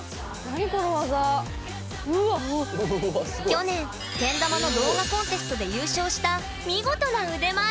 去年けん玉の動画コンテストで優勝した見事な腕前！